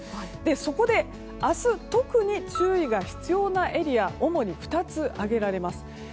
そこで明日、特に注意が必要なエリア、主に２つ挙げられます。